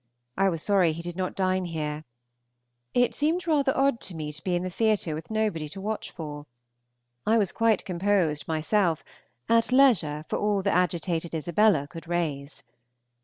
I was sorry he did not dine here. It seemed rather odd to me to be in the theatre with nobody to watch for. I was quite composed myself, at leisure for all the agitated Isabella could raise.